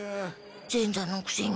前座のくせに。